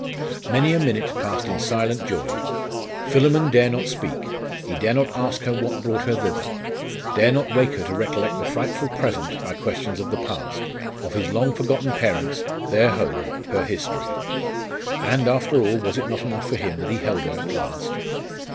Many a minute passed in silent joy.... Philammon dare not speak; he dare not ask her what brought her thither dare not wake her to recollect the frightful present by questions of the past, of his long forgotten parents, their home, her history.... And, after all, was it not enough for him that he held her at last?